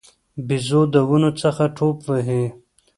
بیزو د ونو څخه ټوپ وهي.